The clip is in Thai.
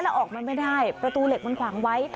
แล้วออกมาไม่ได้ประตูเหล็กมันขวางไว้